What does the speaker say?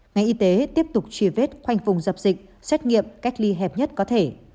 ngày y tế tiếp tục chia vết khoanh vùng dập dịch xét nghiệm cách ly hẹp nhất có thể